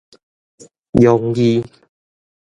陽字